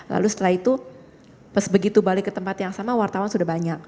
lalu setelah itu pas begitu balik ke tempat yang sama wartawan sudah banyak